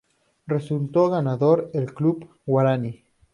Resultó ganador el Club Guaraní.